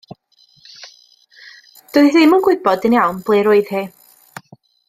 Doedd hi ddim yn gwybod yn iawn ble roedd hi.